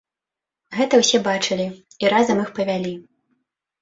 Гэта ўсе бачылі, і разам іх павялі.